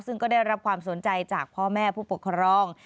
ซึ่งก็ได้รับความสนใจจากพ่อแม่ผู้ปกครอง